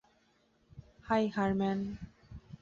High, Harman.